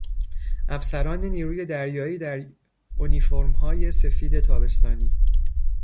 افسران نیروی دریایی در انیفورمهای سفید تابستانی